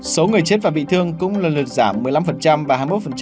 số người chết và bị thương cũng lần lượt giảm một mươi năm và hai mươi một